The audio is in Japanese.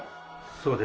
そうです。